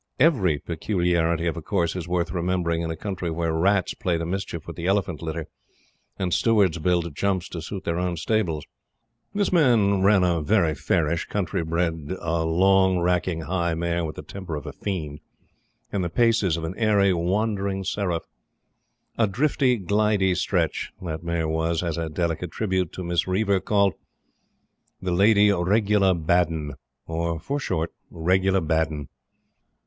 EVERY peculiarity of a course is worth remembering in a country where rats play the mischief with the elephant litter, and Stewards build jumps to suit their own stables. This man ran a very fairish country bred, a long, racking high mare with the temper of a fiend, and the paces of an airy wandering seraph a drifty, glidy stretch. The mare was, as a delicate tribute to Mrs. Reiver, called "The Lady Regula Baddun" or for short, Regula Baddun.